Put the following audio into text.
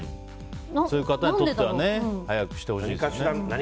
そういう方にとっては早くしてほしいですよね。